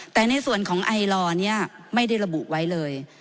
แต่ในส่วนของไอลอร์นี้ไม่ได้ระบุไว้เลย